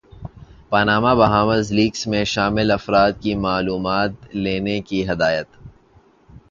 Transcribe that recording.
Panama Bahamas leaks میں شامل افراد کی معلومات لینے کی ہدایت